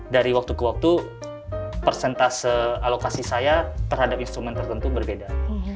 dari waktu ke waktu persentase alokasi saya terhadap instrumen tertentu berbeda